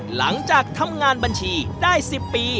หลังจากทำงานบัญชีได้๑๐ปี